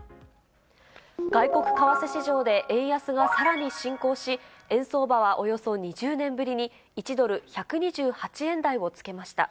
外国為替市場で円安がさらに進行し、円相場はおよそ２０年ぶりに１ドル１２８円台をつけました。